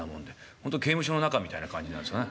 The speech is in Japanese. ほんと刑務所の中みたいな感じなんですね。